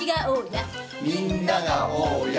みんなが大家！